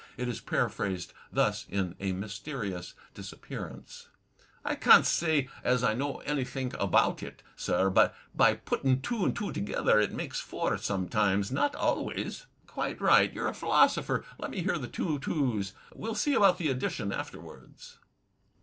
It is paraphrased thus: in "A Mysterious Disappearance:" *'I can't s'y as I know anythink about it, sir, but by puttin* two and two together it makes four sometimes — not always." "Quite right. You're a philosopher. Let me hear the two two's. We'll see about the addition afterwards."